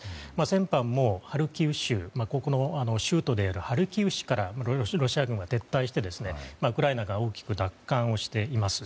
先般も、ハルキウ州の州都であるハルキウ市からロシア軍が撤退してウクライナが大きく奪還しています。